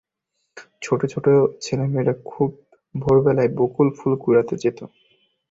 ছোট-ছোট ছেলেমেয়েরা খুব ভোরবেলায় বকুল ফুল কুড়াতে যেত।